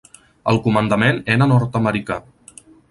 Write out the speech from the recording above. El comandament era nord-americà.